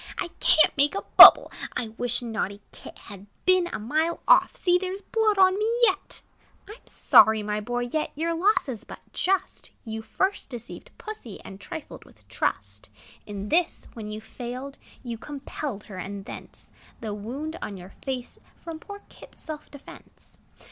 "I can't make a bubble! I wish naughty Kit Had been a mile off: See! there 's blood on me yet!" I 'm sorry, my boy; yet Your loss is but just; You first deceived Pussy, And trifled with trust. In this, when you failed, You compelled her; and thence The wound on your face, From poor Kit's self defence.